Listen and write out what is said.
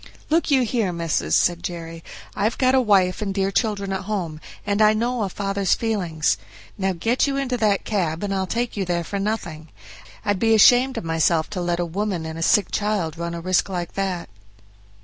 "Look you here, missis," said Jerry, "I've got a wife and dear children at home, and I know a father's feelings; now get you into that cab, and I'll take you there for nothing. I'd be ashamed of myself to let a woman and a sick child run a risk like that."